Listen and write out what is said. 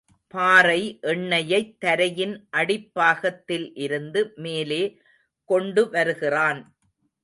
பாறை எண்ணெயைத் தரையின் அடிப்பாகத்தில் இருந்து மேலே கொண்டு வருகிறான்.